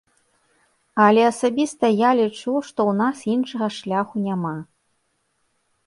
Але асабіста я лічу, што ў нас іншага шляху няма.